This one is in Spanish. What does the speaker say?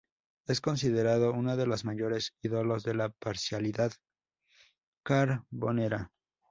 Es considerado una de los mayores ídolos de la parcialidad Carbonera.